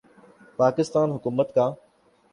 پاکستان حکومت کا